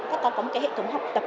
các con có một hệ thống học tập